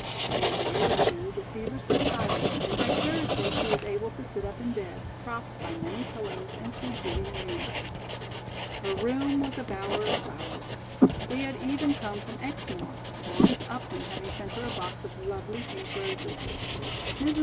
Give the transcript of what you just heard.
In a day or two the fever subsided and by Thursday she was able to sit up in bed, propped by many pillows and see Judy and Nance. Her room was a bower of flowers. They had even come from Exmoor, Lawrence Upton having sent her a box of lovely pink roses. Mrs.